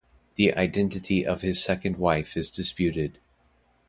The identity of his second wife is disputed.